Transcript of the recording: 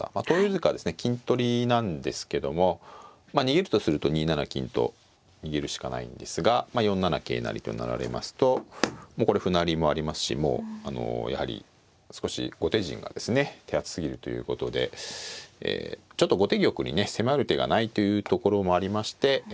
投了図以下はですね金取りなんですけども逃げるとすると２七金と逃げるしかないんですがまあ４七桂成と成られますともうこれ歩成りもありますしもうやはり少し後手陣がですね手厚すぎるということでちょっと後手玉にね迫る手がないというところもありまして